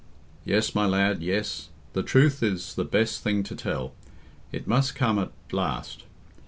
"Yes, my lad, yes. The truth is the best thing to tell. It must come at last.